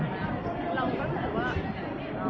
เวลาแรกพี่เห็นแวว